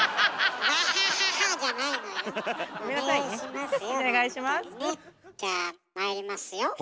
じゃあまいりますよ。